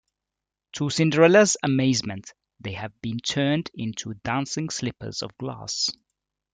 To Cinderella's amazement, they have been turned into dancing slippers of glass.